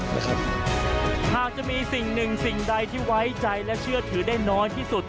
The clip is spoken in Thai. หากจะมีสิ่งหนึ่งสิ่งใดที่ไว้ใจและเชื่อถือได้น้อยที่สุด